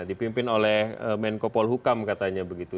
dipimpin oleh menko polhukam katanya begitu